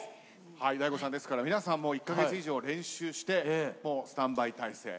ＤＡＩＧＯさんですから皆さん１カ月以上練習してもうスタンバイ態勢。